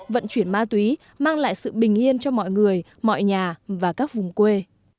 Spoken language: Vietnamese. vận chuyển ma túy mang lại sự bình yên cho mọi người mọi nhà và các vùng quê